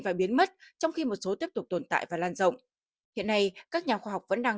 và biến mất trong khi một số tiếp tục tồn tại và lan rộng hiện nay các nhà khoa học vẫn đang